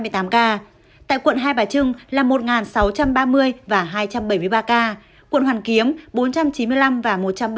tại quận hai bà trưng là một sáu trăm ba mươi và hai trăm bảy mươi ba ca quận hoàn kiếm bốn trăm chín mươi năm và một trăm ba mươi tám